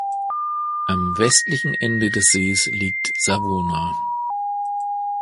Am westlichen Ende des Sees liegt Savona.